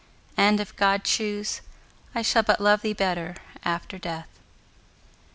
—and, if God choose, I shall but love thee better after death.